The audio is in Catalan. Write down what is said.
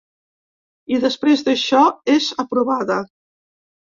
I després d’això és aprovada.